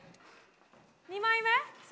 ２枚目？